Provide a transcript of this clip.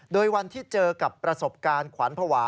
โดยวันที่เจอกับประสบการณ์ขวัญภาวะ